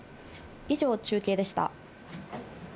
以上、中継でした。